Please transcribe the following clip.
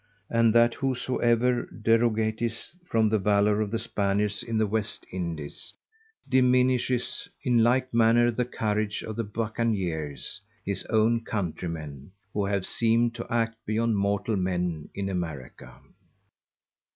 And that whosoever derogateth from the Valour of the_ Spaniards in the West Indies, diminisheth in like manner the Courage of the Bucaniers, his own Country men, who have seemed to act beyond mortal men in America.